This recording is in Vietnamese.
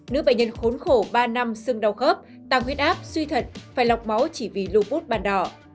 nữ bệnh nhân khốn khổ ba năm sưng đau khớp tàng huyết áp suy thật phải lọc máu chỉ vì lù bút bàn đỏ